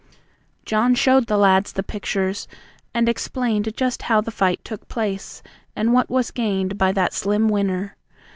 John showed the lads the pictures, and explained Just how the fight took place, and what was gained By that slim winner.